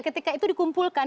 ketika itu dikumpulkan